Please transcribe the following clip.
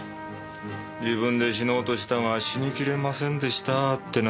自分で死のうとしたが死に切れませんでしたってな。